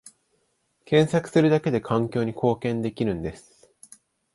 検索するだけで環境に貢献できるんです